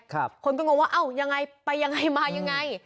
คนก็งงว่าเอ้ายังไงไปยังไงมายังไง